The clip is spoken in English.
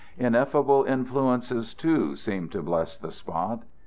Ineffable influences, too, seem to bless the spot.